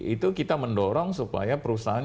itu kita mendorong supaya perusahaan